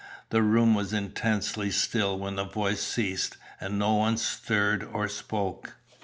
The room was intensely still when the voice ceased and no one stirred or spoke.